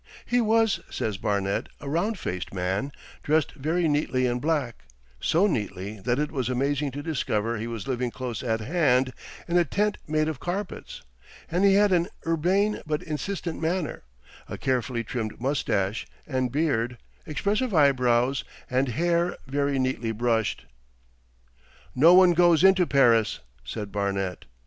He was, says Barnet, a round faced man, dressed very neatly in black—so neatly that it was amazing to discover he was living close at hand in a tent made of carpets—and he had 'an urbane but insistent manner,' a carefully trimmed moustache and beard, expressive eyebrows, and hair very neatly brushed. 'No one goes into Paris,' said Barnet.